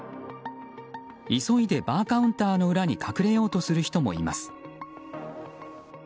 急いでバーカウンターの裏に隠れようとする人もいます。